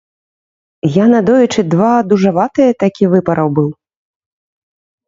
Я надоечы два дужаватыя такі выпараў быў.